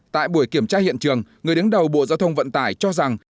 tại buổi kiểm tra hiện trường người đứng đầu bộ giao thông vận tải cho rằng